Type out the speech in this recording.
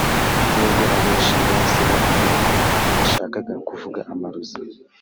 n’ubwo benshi bahise bavuga ko yashakaga kuvuga amarozi